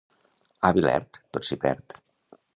A Vilert, tot s'hi perd.